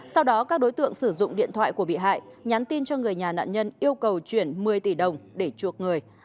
sau đó các đối tượng sử dụng điện thoại của bị hại nhắn tin cho người nhà nạn nhân yêu cầu chuyển một mươi tỷ đồng để chuộc người